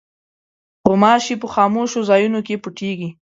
غوماشې په خاموشو ځایونو کې پټېږي.